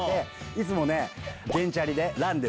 いつも原チャリで蘭で。